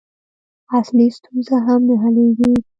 اصلي ستونزه هم نه حلېږي.